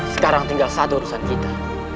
sekarang tinggal satu urusan kita